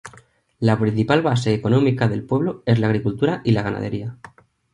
La principal base económica del pueblo es la agricultura y la ganadería.